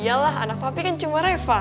iya lah anak papi kan cuma reva